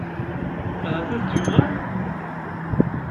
Ahat ad d-yuɣal?